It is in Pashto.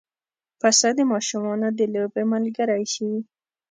پسه د ماشومانو د لوبې ملګری شي.